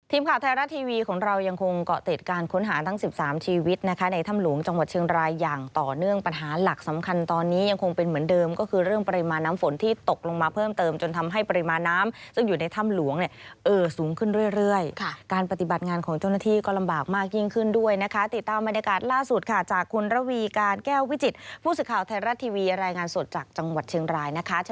ทีมข่าวไทยรัฐทีวีของเรายังคงเกาะเตรียดการค้นหาทั้ง๑๓ชีวิตนะคะในถ้ำหลวงจังหวัดเชียงรายอย่างต่อเนื่องปัญหาหลักสำคัญตอนนี้ยังคงเป็นเหมือนเดิมก็คือเรื่องปริมาณน้ำฝนที่ตกลงมาเพิ่มเติมจนทำให้ปริมาณน้ำซึ่งอยู่ในถ้ำหลวงเนี่ยเอ่อสูงขึ้นเรื่อยค่ะการปฏิบัติงานของเจ้า